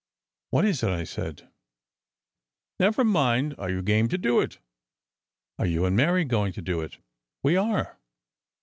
"'What is it?' I said. "'Never mind; are you game to do it?' "'Are you and Mary going to do it?' "'We are.